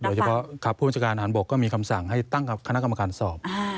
โดยเฉพาะครับผู้บัญชาการฐานบกก็มีคำสั่งให้ตั้งคณะกรรมการสอบ